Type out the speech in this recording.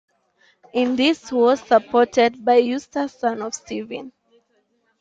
In this he was supported by Eustace, son of Stephen.